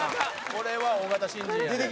これは大型新人やで。